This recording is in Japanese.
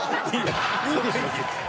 いいでしょ別に。